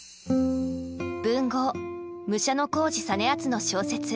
文豪武者小路実篤の小説